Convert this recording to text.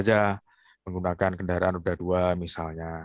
saja menggunakan kendaraan roda dua misalnya